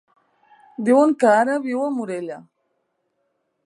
Diuen que ara viu a Morella.